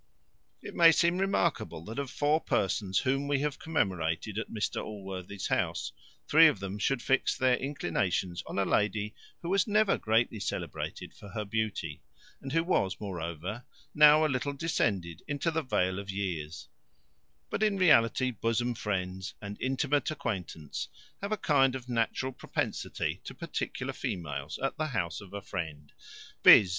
It may seem remarkable, that, of four persons whom we have commemorated at Mr Allworthy's house, three of them should fix their inclinations on a lady who was never greatly celebrated for her beauty, and who was, moreover, now a little descended into the vale of years; but in reality bosom friends, and intimate acquaintance, have a kind of natural propensity to particular females at the house of a friend viz.